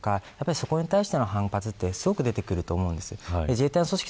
そこに対しての反発はすごく出てくると思います。